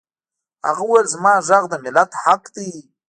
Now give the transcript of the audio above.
هغه وویل زما غږ د ملت حق دی